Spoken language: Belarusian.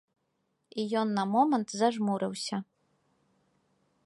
І ён на момант зажмурыўся.